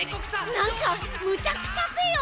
なんかむちゃくちゃぜよ！